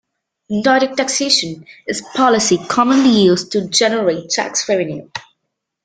Indirect taxation is policy commonly used to generate tax revenue.